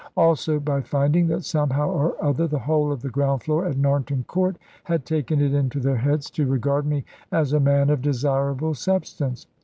Also by finding that somehow or other the whole of the ground floor at Narnton Court had taken it into their heads to regard me as a man of desirable substance.